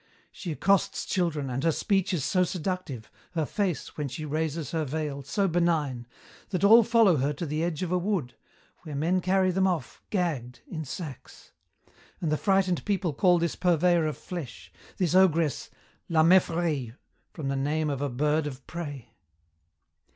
She accosts children, and her speech is so seductive, her face, when she raises her veil, so benign, that all follow her to the edge of a wood, where men carry them off, gagged, in sacks. And the frightened people call this purveyor of flesh, this ogress, 'La Mefrraye,' from the name of a bird of prey.